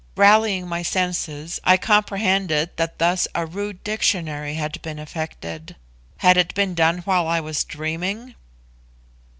Rallying my senses, I comprehended that thus a rude dictionary had been effected. Had it been done while I was dreaming?